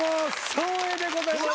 照英でございます。